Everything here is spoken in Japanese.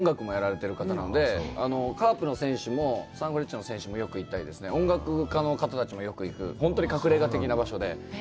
あのお店の店長さんは、音楽もやられてる方なので、カープの選手もサンフレッチェの選手もよく行ったり、音楽家の方たちもよく行く、本当に隠れ家的な場所で。